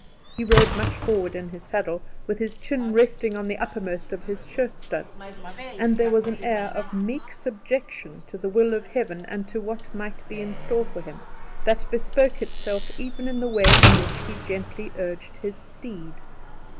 He rode much forward in his saddle, with his chin resting on the uppermost of his shirt studs, and there was an air of meek subjection to the will of Heaven, and to what might be in store for him, that bespoke itself even in the way in which he gently urged his steed.